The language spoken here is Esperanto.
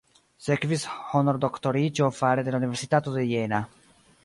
Sekvis honordoktoriĝo fare de la Universitato de Jena.